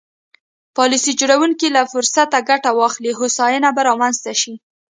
پالیسي جوړوونکي له فرصته ګټه واخلي هوساینه به رامنځته شي.